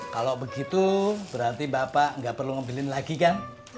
kalo begitu berarti bapak gak perlu ngebeliin lagi kan